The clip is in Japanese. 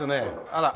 あら。